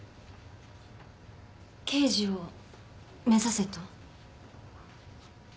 刑事を目指せと？